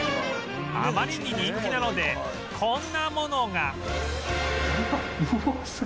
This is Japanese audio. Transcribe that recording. あまりに人気なのでこんなものが